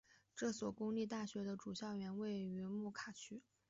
这所公立大学的主校园位于莫卡区。